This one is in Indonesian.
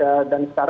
karena konteksnya ada